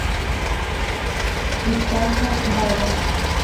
Yutaka Baba